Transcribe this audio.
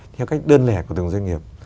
theo cách đơn lẻ của từng doanh nghiệp